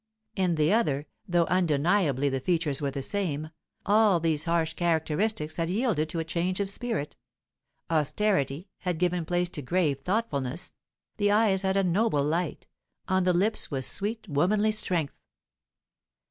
In the other, though undeniably the features were the same, all these harsh characteristics had yielded to a change of spirit; austerity had given place to grave thoughtfulness, the eyes had a noble light, on the lips was sweet womanly strength.